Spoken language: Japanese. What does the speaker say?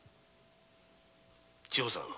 千保さん